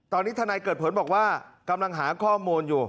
ตอนนี้ทนายเกิดผลบอกว่ากำลังหาข้อมูลอยู่